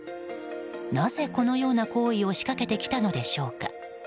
なぜ、このような行為を仕掛けてきたのでしょうか。